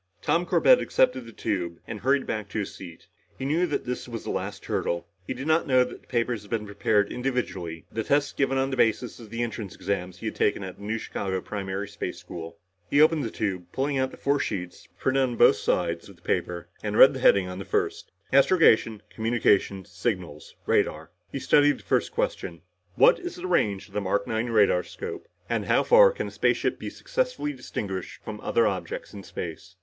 Tom Corbett accepted the tube and hurried back to his seat. He knew that this was the last hurdle. He did not know that the papers had been prepared individually, the tests given on the basis of the entrance exams he had taken back at New Chicago Primary Space School. He opened the tube, pulling out the four sheets, printed on both sides of the paper, and read the heading on the first: ASTROGATION, COMMUNICATIONS, SIGNALS (Radar) He studied the first question. "... What is the range of the Mark Nine radar scope, and how far can a spaceship be successfully distinguished from other objects in space?..."